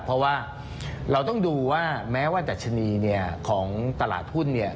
เพราะว่าเราต้องดูว่าแม้ว่าดัชนีเนี่ยของตลาดหุ้นเนี่ย